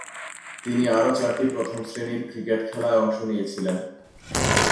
তিনি আরও চারটি প্রথম-শ্রেণীর ক্রিকেট খেলায় অংশ নিয়েছিলেন।